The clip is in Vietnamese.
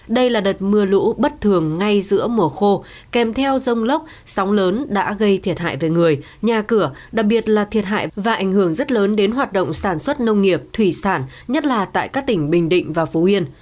đây là đợt mưa lũ bất thường ngay giữa mùa khô kèm theo rông lốc sóng lớn đã gây thiệt hại về người nhà cửa đặc biệt là thiệt hại và ảnh hưởng rất lớn đến hoạt động sản xuất nông nghiệp thủy sản nhất là tại các tỉnh bình định và phú yên